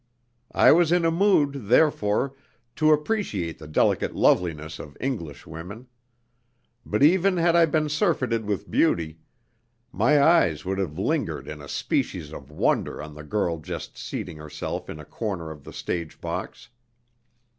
I was in a mood, therefore, to appreciate the delicate loveliness of English women; but, even had I been surfeited with beauty, my eyes would have lingered in a species of wonder on the girl just seating herself in a corner of the stage box.